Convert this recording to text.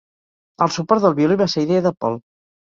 El suport del violí va ser idea de Paul.